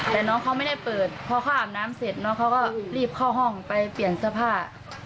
แต่น้องเขาไม่ได้เปิดพอเขาอาบน้ำเสร็จน้องเขาก็รีบเข้าห้องไปเปลี่ยนเสื้อผ้า